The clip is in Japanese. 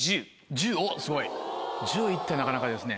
１０行ったらなかなかですね。